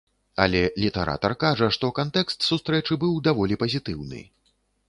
Але літаратар кажа, што кантэкст сустрэчы быў даволі пазітыўны.